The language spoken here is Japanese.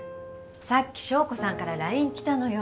さっき祥子さんからＬＩＮＥ来たのよ